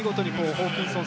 ホーキンソン！